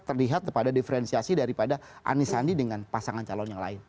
terlihat kepada diferensiasi daripada anisandi dengan pasangan calon yang lain